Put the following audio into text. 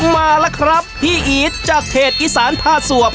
มาล่ะครับพี่อีดจากทศอีสารผ้าสวบ